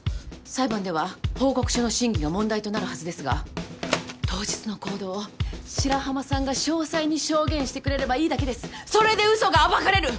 裁判では報告書の真偽が問題となるはずですが当日の行動を白浜さんが詳細に証言してくれればいいだけです。それで嘘が暴かれる！